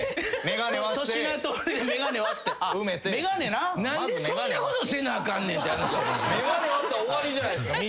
眼鏡割ったら終わりじゃないっすか。